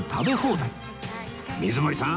水森さん